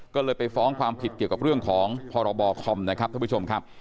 ก็เลยไปฟ้องความผิดเกี่ยวกับเรื่องของพรบคอมนะครับท่านผู้ชมครับ